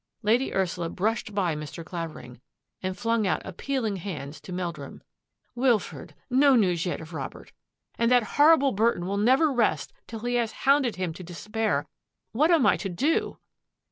Lady Ursula brushed by Mr. Clavering and flung out appealing hands ta Meldrum. " Wilfred ! no news yet of Robert and that hor rible Burton will never rest till he has hounded him to despair! What am I to do?